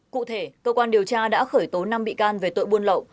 cụ thể cơ quan điều tra đã khởi tố năm bị can về tội buôn lậu